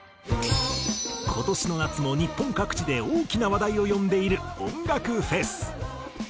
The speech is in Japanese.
今年の夏も日本各地で大きな話題を呼んでいる音楽フェス。